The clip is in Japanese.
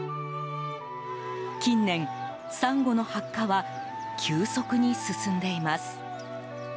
近年、サンゴの白化は急速に進んでいます。